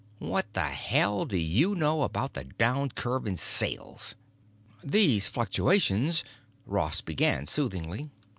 What the hell do you know about the downcurve in sales?" "These fluctuations——" Ross began soothingly.